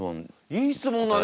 いい質問だね